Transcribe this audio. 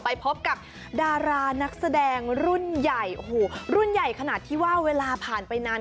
ไปพบกับดารานักแสดงรุ่นใหญ่โอ้โหรุ่นใหญ่ขนาดที่ว่าเวลาผ่านไปนาน